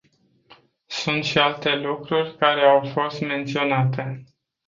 Sunt și alte lucruri care au fost menționate.